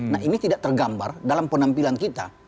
nah ini tidak tergambar dalam penampilan kita